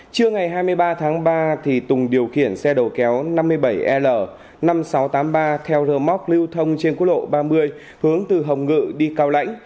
trưa ngày hai mươi ba tháng ba tùng điều khiển xe đầu kéo năm mươi bảy l năm nghìn sáu trăm tám mươi ba theo rơ móc lưu thông trên quốc lộ ba mươi hướng từ hồng ngự đi cao lãnh